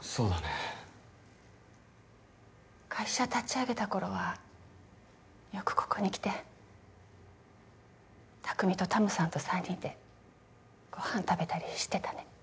会社立ち上げたころはよくここに来て拓海とタムさんと３人でご飯食べたりしてたね。